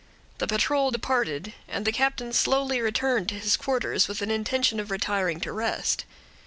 The patrol departed, and the captain slowly returned to his quarters, with an intention of retiring to rest.